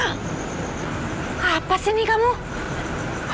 aku barusan dengar pembicaraan kamu sama lastrip